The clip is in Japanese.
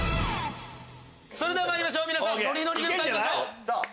それではまいりましょう皆さんノリノリで歌いましょう。